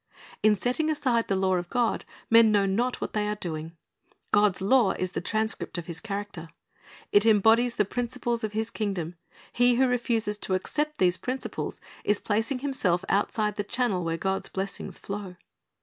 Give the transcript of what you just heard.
In setting aside the law of God, men know not what they are doing. God's law is the transcript of His character. It embodies the principles of His kingdom. He who refuses to accept these principles is placing himself outside the channel where God's blessings flow.